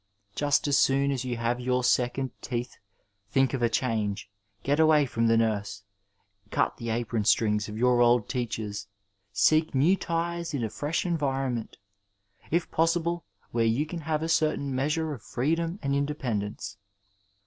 Just so soon as you have your second teeth think of a change ; get away from the nurse, cut the apron strings of your old teachers, seek new ties in a fresh environment, if possible where you can have a certain measure of freedom and independence.